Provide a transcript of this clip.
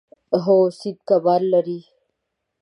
هو، سیند کبان لري